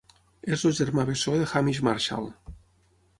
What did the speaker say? És el germà bessó de Hamish Marshall.